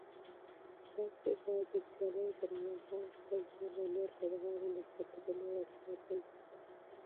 تاسو باید د سیالیو پر مهال خپل ځان او نور لوبغاړي له خطرونو وساتئ.